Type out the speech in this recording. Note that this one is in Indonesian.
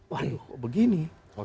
wah kok begini